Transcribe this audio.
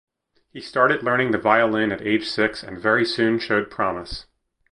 He started learning the violin at age six and very soon showed promise.